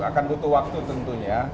akan butuh waktu tentunya